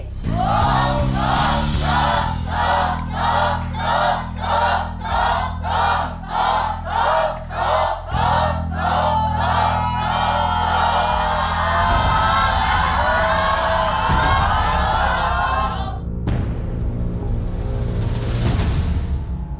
ตอบ